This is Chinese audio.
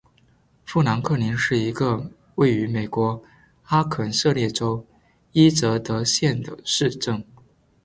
富兰克林是一个位于美国阿肯色州伊泽德县的市镇。